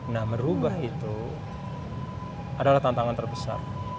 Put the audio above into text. nah merubah itu adalah tantangan terbesar